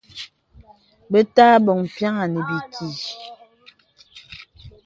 Bə̀ tə̀ abɔ̀ŋ pyàŋà nə̀ bìkì.